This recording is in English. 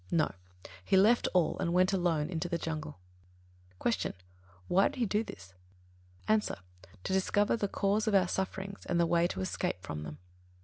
No. He left all and went alone into the jungle. 27. Q. Why did he do this? A. To discover the cause of our sufferings and the way to escape from them.